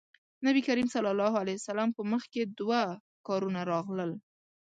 نبي کريم ص په مخکې دوه کارونه راغلل.